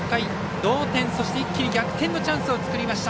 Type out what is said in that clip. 同点、そして一気に逆転のチャンスを作りました。